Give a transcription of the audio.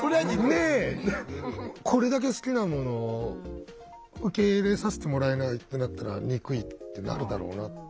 これだけ好きなものを受け入れさせてもらえないってなったら憎いってなるだろうなって。